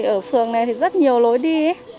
ở phường này thì rất nhiều lối đi